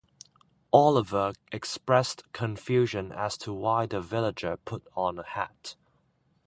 Oliver expressed confusion as to why the villager put on a hat.